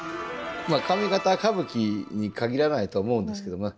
上方歌舞伎に限らないと思うんですけどね